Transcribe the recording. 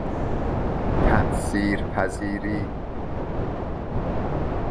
تأثیر پذیری